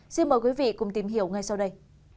xin mời quý vị cùng tìm hiểu ngay sau đây